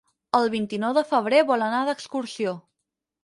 El vint-i-nou de febrer vol anar d'excursió.